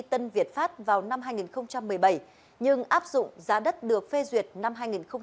tân việt pháp vào năm hai nghìn một mươi bảy nhưng áp dụng giá đất được phê duyệt năm hai nghìn một mươi bảy